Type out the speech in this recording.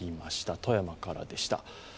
富山からでした。